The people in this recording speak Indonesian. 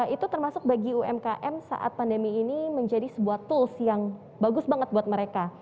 itu termasuk bagi umkm saat pandemi ini menjadi sebuah tools yang bagus banget buat mereka